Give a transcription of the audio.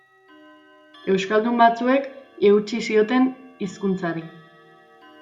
Euskaldun batzuek eutsi zioten hizkuntzari.